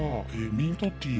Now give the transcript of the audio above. ミントティー。